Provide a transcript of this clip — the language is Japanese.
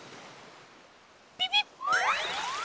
ピピッ！